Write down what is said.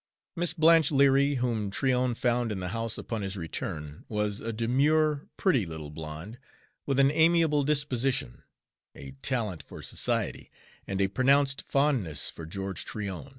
Miss Blanche Leary, whom Tryon found in the house upon his return, was a demure, pretty little blonde, with an amiable disposition, a talent for society, and a pronounced fondness for George Tryon.